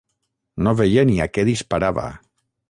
No veia ni a què disparava!